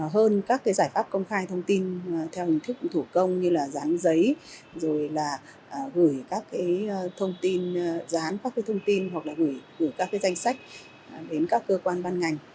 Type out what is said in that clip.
hơn các giải pháp công khai thông tin theo hình thức thủ công như là dán giấy rồi là gửi các thông tin hoặc là gửi các danh sách đến các cơ quan ban ngành